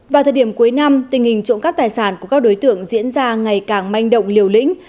vào thời điểm cuối năm tình hình trộm cắp tài sản của các đối tượng diễn ra ngày càng manh động liều lĩnh